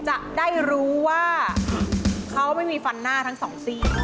จะได้รู้ว่าเขาไม่มีฟันหน้าทั้งสองซีก